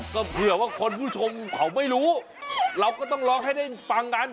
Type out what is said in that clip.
ก็เผื่อว่าคุณผู้ชมเขาไม่รู้เราก็ต้องร้องให้ได้ฟังกัน